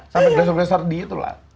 sampai geles geleser di itu lah